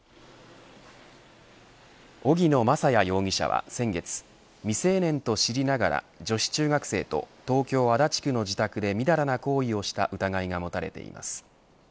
荻野真也容疑者は先月未成年と知りながら女子中学生と東京・足立区の自宅でみだらな行為をした疑いが持たれています。